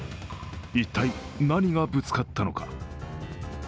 一体何がぶつかったのか。